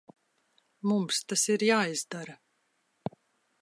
Mums tas ir jāizdara.